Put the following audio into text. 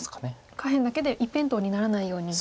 下辺だけで一辺倒にならないように上辺も。